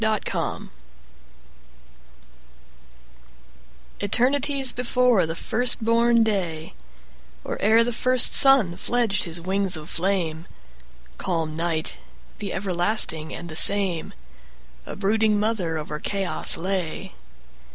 Mother Night ETERNITIES before the first born day, Or ere the first sun fledged his wings of flame, Calm Night, the everlasting and the same,A brooding mother over chaos lay.